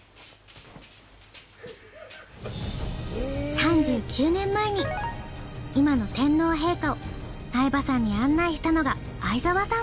３９年前に今の天皇陛下を苗場山に案内したのが相澤さん。